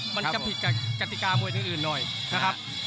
มันจะผิดกับกฎิกามวยที่อื่นหน่อยนะครับ